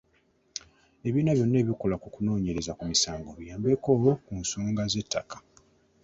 Ebibiina byonna ebikola ku kunoonyereza ku misango biyambeko ku nsonga z'ettaka.